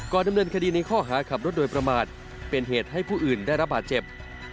ดำเนินคดีในข้อหาขับรถโดยประมาทเป็นเหตุให้ผู้อื่นได้รับบาดเจ็บ